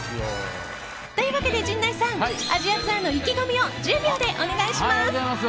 というわけで、陣内さんアジアツアーの意気込みを１０秒でお願いします。